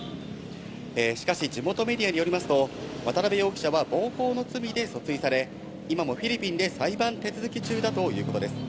しかし、地元メディアによりますと、渡辺容疑者は暴行の罪で訴追され、今もフィリピンで裁判手続き中だということです。